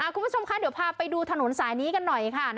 คุณผู้ชมคะเดี๋ยวพาไปดูถนนสายนี้กันหน่อยค่ะ